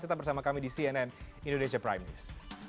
tetap bersama kami di cnn indonesia prime news